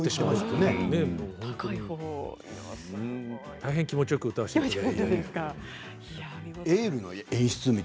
大変気持ちよく歌わせていただきました。